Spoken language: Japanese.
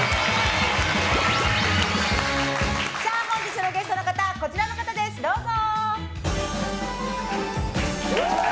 本日のゲストの方はこちらの方です、どうぞ！